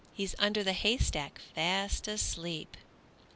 He's under the haystack, fast asleep!